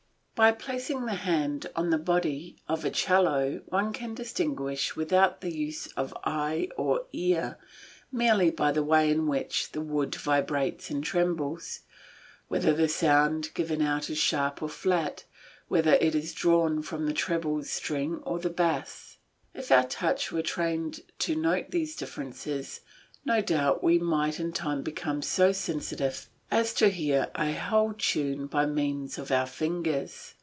By placing the hand on the body of a 'cello one can distinguish without the use of eye or ear, merely by the way in which the wood vibrates and trembles, whether the sound given out is sharp or flat, whether it is drawn from the treble string or the bass. If our touch were trained to note these differences, no doubt we might in time become so sensitive as to hear a whole tune by means of our fingers.